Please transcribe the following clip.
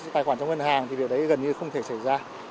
tài khoản trong ngân hàng thì điều đấy gần như không thể xảy ra